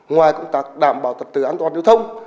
ngoài cũng đảm bảo tật tự an toàn giao thông